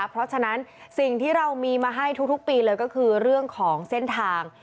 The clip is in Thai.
เพราะฉะนั้นสิ่งที่เรามีมาให้ทุกปีเลยก็คือเรื่องของเส้นทาง